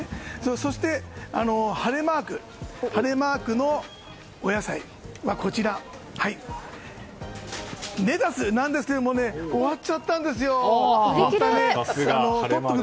そして、晴れマークのお野菜はレタスなんですけど終わっちゃったんですよ。